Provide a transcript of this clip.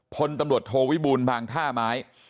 พลตำรวจโทวิบูลบางท่าไม้